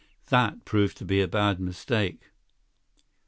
That proved to be a bad mistake.